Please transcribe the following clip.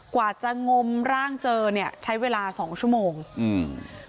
กว่าจะงมร่างเจอเนี้ยใช้เวลาสองชั่วโมงอืม